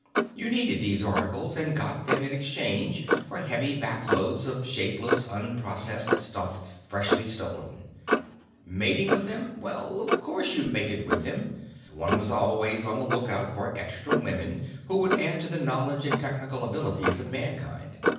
You needed these articles and got them in exchange for heavy backloads of shapeless, unprocessed stuff freshly stolen. Mating with them well, of course you mated with them. One was always on the lookout for extra women who could add to the knowledge and technical abilities of Mankind.